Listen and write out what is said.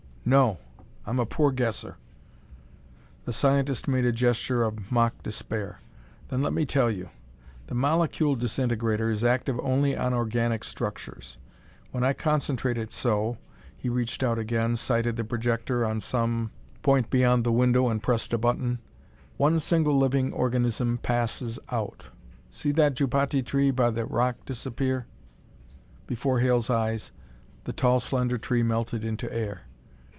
"No; I'm a poor guesser." The scientist made a gesture of mock despair. "Then let me tell you. The molecule disintegrator is active only on organic structures. When I concentrate it so" he reached out again, sighted the projector on some point beyond the window and pressed a button "one single living organism passes out. See that jupati tree by the rock disappear?" Before Hale's eyes, the tall, slender tree melted into air.